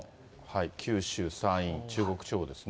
九州、山陰、中国地方ですね。